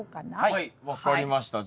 はい分かりました。